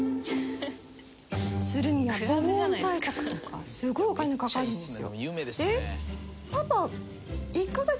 防音対策とかすごいお金かかるんですよ。